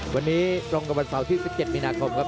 วันนี้ตรงกับวันเสาร์ที่๑๗มีนาคมครับ